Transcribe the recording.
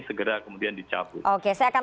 segera kemudian dicabut oke saya akan